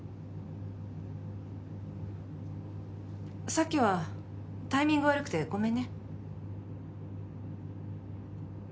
さっきはタイミング悪くてごめんね。